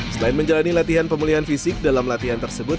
selain menjalani latihan pemulihan fisik dalam latihan tersebut